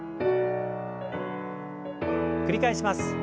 繰り返します。